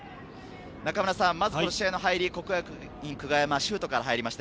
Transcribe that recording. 中村さん、この試合が入り、國學院久我山、シュートから入りました。